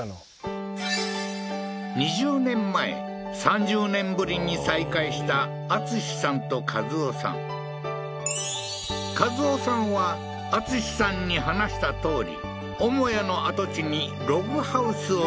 ２０年前３０年ぶりに再会した敦さんと一夫さん一夫さんは敦さんに話したとおり